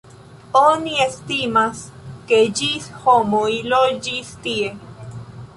Oni estimas, ke ĝis homoj loĝis tie.